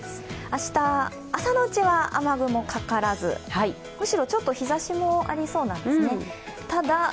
明日、朝のうちは雨雲かからず、むしろちょっと日ざしもありそうなんですね。